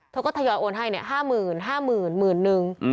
เธอก็ทยอยโอนให้เนี่ย๕๐๐๐๐๕๐๐๐๐๑๐๐๐๐นึง